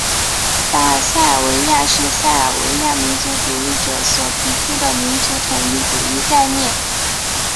大塞尔维亚是塞尔维亚民族主义者所提出的民族统一主义概念。